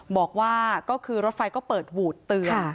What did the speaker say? บอกว่าก็คือรถไฟก็เปิดหวูดเตือน